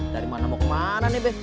dari mana mau kemana nih be